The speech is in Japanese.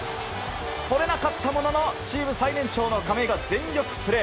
とれなかったもののチーム最年長の亀井が全力プレー。